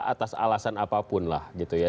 atas alasan apapun lah gitu ya